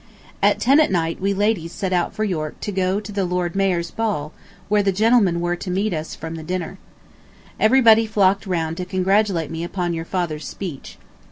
At ten at night we ladies set out for York to go [to] the Lord Mayor's Ball, where the gentlemen were to meet us from the dinner. Everybody flocked round to congratulate me upon your father's speech.